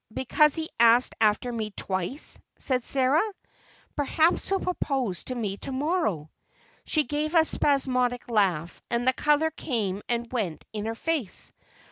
"Because he asked after me twice?" said Sarah. "Perhaps he'll propose to me to morrow." She gave a spasmodic laugh, and the color came and went in her face.